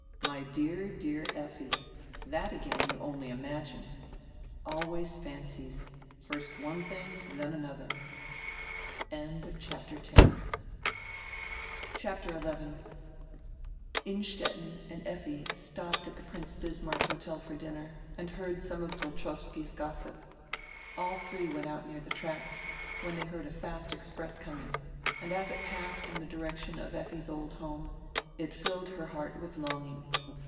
"My dear, dear Effi, tiiat again you only imagine. Always fancies, first one tiling, then another." CHAPTER XI [INSTETTEN and Effi stopped at die Prince Bismarck Hotel for dinner and heard some of Golchowski's gossip. All diree went out near die tracks, when diey heard a fast express coming, and as it passed in die direction of Effi's old home, it filled her heart witii longing.